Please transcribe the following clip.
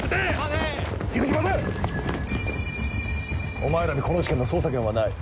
お前らにこの事件の捜査権はない。